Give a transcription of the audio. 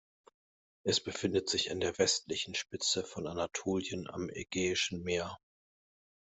Es befindet sich an der westlichen Spitze von Anatolien am Ägäischen Meer.